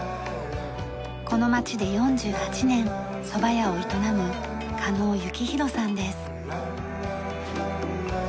この町で４８年そば屋を営む狩野幸洋さんです。